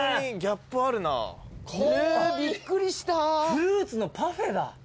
フルーツのパフェだ。